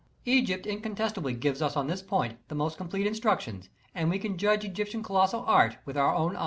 Egypt incontestably gives us on this point the most complete instruction, and we can judge Egyptian colossal art with our own eyes.